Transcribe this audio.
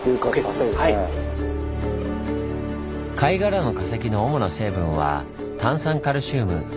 貝殻の化石の主な成分は炭酸カルシウム。